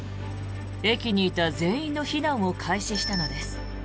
駅にいた全員の避難を開始したのです。